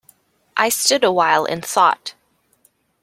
I stood awhile in thought.